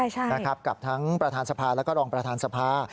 ใช่นะครับกับทั้งประธานสภาแล้วก็รองประธานสภา